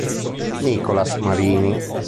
Nicolas Marini